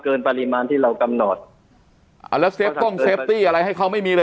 เกินปริมาณที่เรากำนอดอ่าแล้วต้องอะไรให้เขาไม่มีเลย